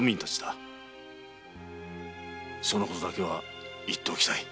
そのことだけは言っておきたい。